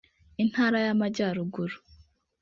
intara y’Amajyaruguru